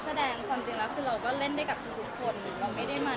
แสวได้ไงของเราก็เชียนนักอยู่ค่ะเป็นผู้ร่วมงานที่ดีมาก